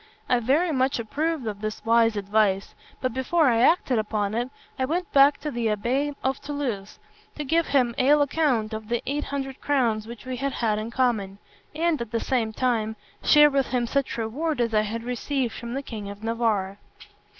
I very much approved of this wise advice; but before I acted upon it, I went back to my abbé of Toulouse, to give him an account of the eight hundred crowns which we had had in common, and, at the same time, share with him such reward as I had received from the king of Navarre.